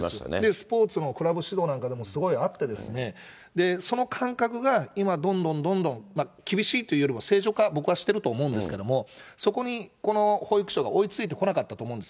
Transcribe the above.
スポーツのクラブ指導なんかでもすごいあってですね、その感覚が今、どんどんどんどん、厳しいというよりも正常化、僕はしてると思うんですけれども、そこにこの保育所が追いついてこなかったと思うんです。